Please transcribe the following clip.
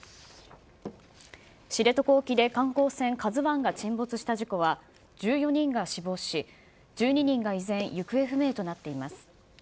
知床沖で観光船ＫＡＺＵＩが沈没した事故は、１４人が死亡し、１２人が依然、行方不明となっています。